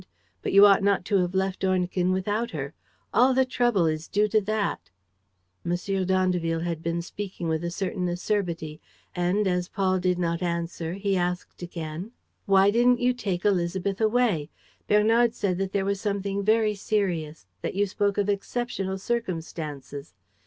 But you ought not to have left Ornequin without her. All the trouble is due to that." M. d'Andeville had been speaking with a certain acerbity, and, as Paul did not answer, he asked again: "Why didn't you take Élisabeth away? Bernard said that there was something very serious, that you spoke of exceptional circumstances.